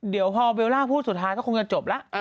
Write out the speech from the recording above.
เดี๋ยวพอเบลล่าพูดสุดท้ายก็คงจะจบแล้ว